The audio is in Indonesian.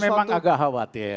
saya memang agak khawatir